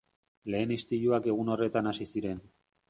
Lehen istiluak egun horretan hasi ziren.